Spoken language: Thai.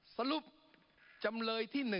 สรุปจำเลยที่๑